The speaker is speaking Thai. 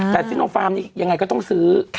แต่ซิโนฟาร์มนี้ยังไงก็ต้องซื้อ